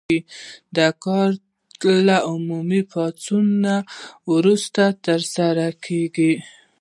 دا کار له عمومي پاڅون وروسته ترسره کیږي.